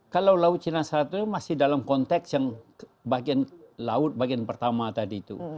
kalau south china sea itu masih dalam konteks yang bagian pertama tadi itu